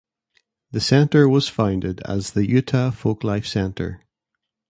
The center was founded as the Utah Folklife Center.